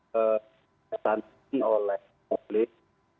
tergantung oleh publik